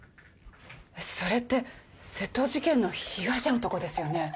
それって窃盗事件の被害者のとこですよね？